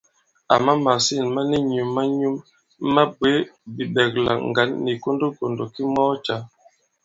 Àma màsîn ma ni nyum-a-nyum ma bwě bìɓɛ̀klà ŋgǎn nì kondokòndò ki mɔɔ cǎ.